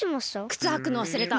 くつはくのわすれた。